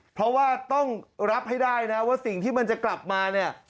เพราะว่าต้องรับให้ได้นะว่าสิ่งที่มันจะกลับมาเนี่ย